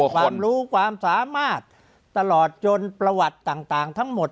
ความรู้ความสามารถตลอดจนประวัติต่างทั้งหมด